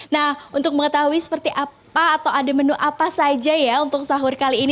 nah untuk mengetahui seperti apa atau ada menu apa saja ya untuk sahur kali ini